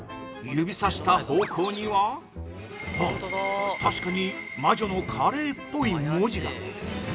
◆指差した方向方には確かに、「魔女のカレー」っぽい文字が！